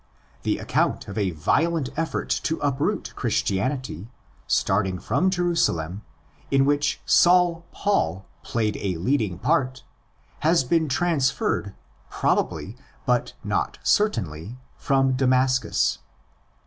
The account of a violent effort to uproot Christianity, starting from Jerusalem, in which Saul Paul played a leading part, has been transferred probably, but not certainly, from Damascus.